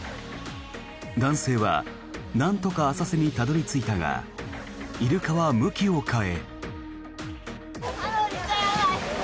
男性はなんとか浅瀬にたどり着いたがイルカは向きを変え。